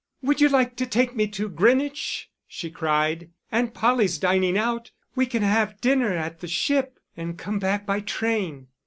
"Would you like to take me to Greenwich?" she cried. "Aunt Polly's dining out; we can have dinner at the Ship and come back by train."